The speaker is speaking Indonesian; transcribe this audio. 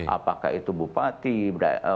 apakah itu bupati berdasarkan keinginan